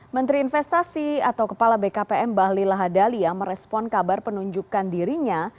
menteri investasi atau kepala bkpm bahlil lahadalia merespon kabar penunjukkan dirinya